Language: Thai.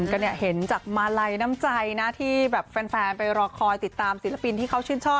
ก็เนี่ยเห็นจากมาลัยน้ำใจนะที่แบบแฟนไปรอคอยติดตามศิลปินที่เขาชื่นชอบ